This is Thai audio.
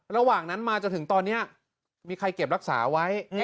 ระหว่างนั้นมาจนถึงตอนนี้มีใครเก็บรักษาไว้